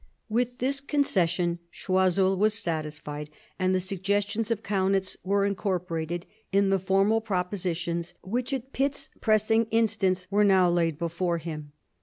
With this concession Choiseul was satisfied, and the suggestions of Kaunitz were in corporated in the formal propositions which at Pitt's pressing instance were now laid before him.